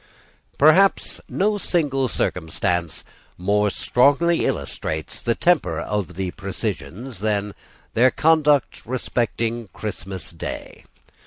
Perhaps no single circumstance more strongly illustrates the temper of the precisians than their conduct respecting Christmas day.